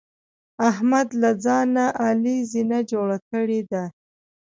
احمد له ځان نه علي زینه جوړه کړې ده.